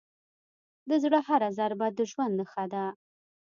د زړه هره ضربه د ژوند نښه ده.